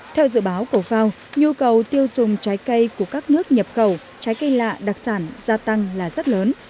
theo dự báo cổ phao nhu cầu tiêu dùng trái cây của các nước nhập khẩu trái cây lạ đặc sản gia tăng là rất lớn